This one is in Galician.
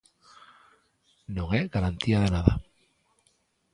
Non é garantía de nada.